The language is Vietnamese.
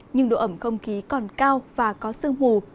nhưng độ ẩm không khí còn cao và có sương mù